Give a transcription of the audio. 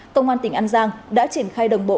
công an tỉnh an giang đã triển khai đồng bộ